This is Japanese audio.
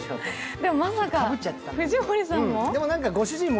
でも、まさか藤森さんも？